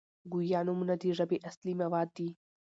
ګویا نومونه د ژبي اصلي مواد دي.